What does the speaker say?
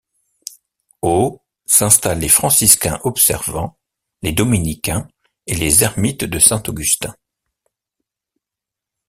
Au s'installent les franciscains observants, les dominicains et les ermites de saint Augustin.